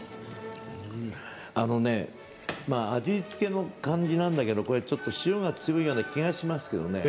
あのね味付けの感じなんだけどちょっと塩が強いような気がしますけどね